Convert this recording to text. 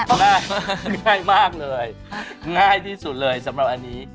ง่ายมากง่ายมากเลยง่ายที่สุดเลยสำหรับอันนี้